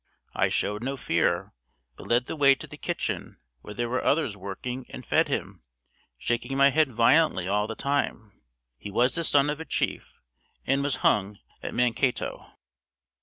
I showed no fear but led the way to the kitchen where there were others working and fed him, shaking my head violently all the time. He was the son of a chief and was hung at Mankato.